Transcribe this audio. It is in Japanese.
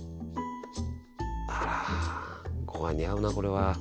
あらごはんに合うなこれは。